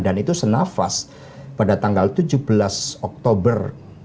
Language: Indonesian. dan itu senafas pada tanggal tujuh belas oktober dua ribu empat belas